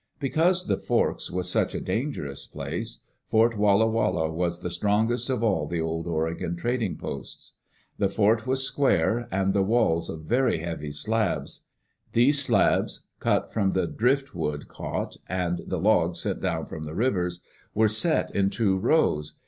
Because the Forks was such a dangerous place. Fort Digitized by VjOOQ IC EARLY DAYS IN OLD OREGON Walla Walla was the strongest of all the Old Oregon trading posts. The fort was square, and the walls of very heavy slabs. These slabs, cut from the driftwood caught, and the logs sent down the rivers, were set in two rows.